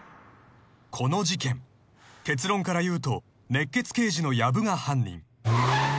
［この事件結論からいうと熱血刑事の薮が犯人］